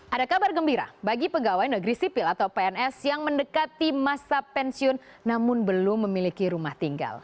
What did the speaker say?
ada kabar gembira bagi pegawai negeri sipil atau pns yang mendekati masa pensiun namun belum memiliki rumah tinggal